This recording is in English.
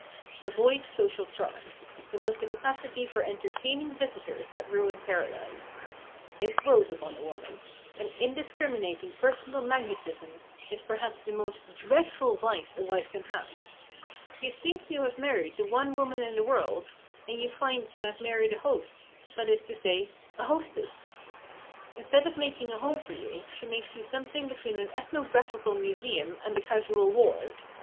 Avoid social charm. It was the capacity for entertaining visitors that ruined Paradise. It grows upon a woman. An indiscriminating personal magnetism is perhaps the most dreadful vice a wife can have. You think you have married the one woman in the world, and you find you have married a host that is to say, a hostess. Instead of making a home for you she makes you something between an ethnographical museum and a casual ward.